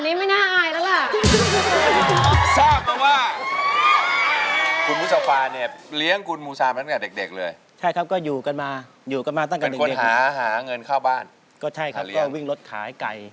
แล้วรูปนี้ดูวิทยานี่ก็คืออุปกรณ์เครื่องเล่นของคุณมูซา